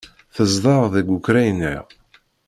Tezdeɣ deg Ukṛanya.